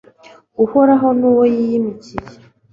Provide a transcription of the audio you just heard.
uhoraho n'uwo yiyimikiye